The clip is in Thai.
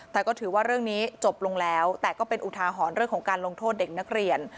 แต่ก็ถือว่าเรื่องนี้จบลงแล้วแต่ก็เป็นอุทาหรณ์เรื่องของการลงโทษเด็กนักเรียน